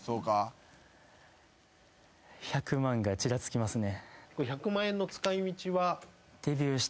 １００万がちらつきますね。